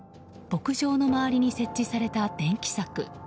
牧場の周りに設置された電気柵。